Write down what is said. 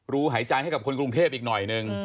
ูหายใจให้กับคนกรุงเทพอีกหน่อยหนึ่ง